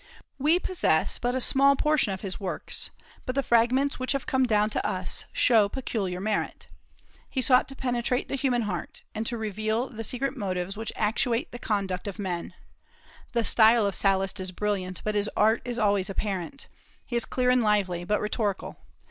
We possess but a small portion of his works, but the fragments which have come down to us show peculiar merit. He sought to penetrate the human heart, and to reveal the secret motives which actuate the conduct of men. The style of Sallust is brilliant, but his art is always apparent; he is clear and lively, but rhetorical.